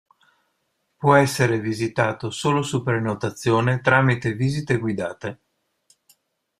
Può essere visitato solo su prenotazione tramite visite guidate.